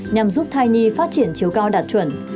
nhằm giúp thai nhi phát triển chiều cao đạt chuẩn